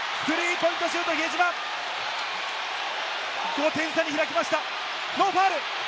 ５点差に開きましたノーファウル。